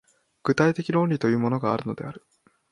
具体的論理というものがあるのである。